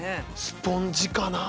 スポンジかな？